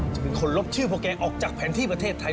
จะเป็นคนลบชื่อพวกแกออกจากแผนที่ประเทศไทย